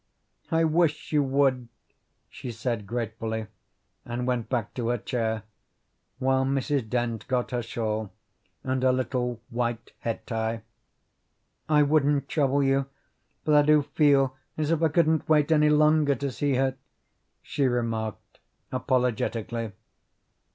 "I wish you would," she said gratefully, and went back to her chair, while Mrs. Dent got her shawl and her little white head tie. "I wouldn't trouble you, but I do feel as if I couldn't wait any longer to see her," she remarked apologetically.